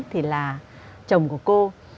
thì là chồng của cô